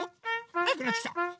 はやくなってきた！